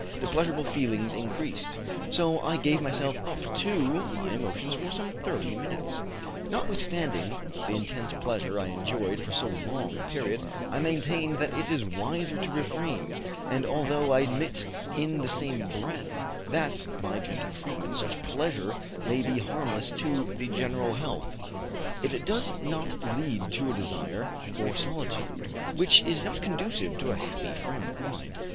The pleasurable feelings increased, so I gave myself up to my emotions for some thirty minutes. "Notwithstanding the intense pleasure I enjoyed for so long a period, I maintain that it is wiser to refrain, and, although I admit in the same breath that, by gentle treatment, such pleasure may be harmless to the general health, it does lead to a desire for solitude, which is not conducive to a happy frame of mind.